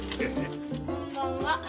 こんばんは。